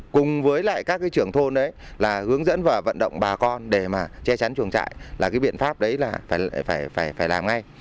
cùng với lại các cái trưởng thôn đấy là hướng dẫn và vận động bà con để mà che chắn chuồng trại là cái biện pháp đấy là phải làm ngay